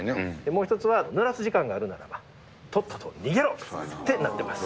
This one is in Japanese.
もう一つはぬらす時間があるならば、とっとと逃げろってなってます。